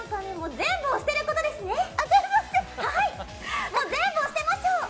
全部を捨てましょう！